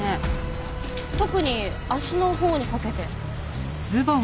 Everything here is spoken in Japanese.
特に足のほうにかけて。